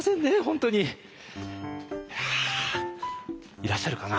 いらっしゃるかな？